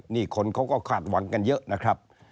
นี่คนเขาก็คาดหวังกันเยอะนะครับ